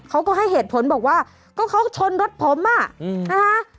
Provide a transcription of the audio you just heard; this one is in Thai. เขาก็ให้เหตุผลบอกว่าก็เขาชนรถผมอ่ะนะคะ